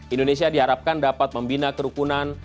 indonesia diharapkan dapat membina kerukunan